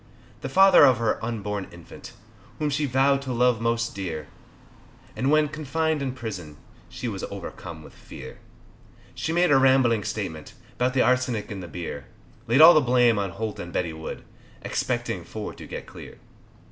The father of her unborn infant, Whom she vowed to love most dear, And when confined in prison, She was overcome with fear, She made a rambling statement 'Bout the arsenic in the beer Laid all the blame on Holt and Betty Wood Expecting for to get clear.